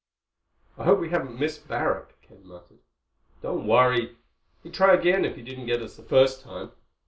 "I hope we haven't missed Barrack," Ken muttered. "Don't worry. He'd try again if he didn't get us the first time.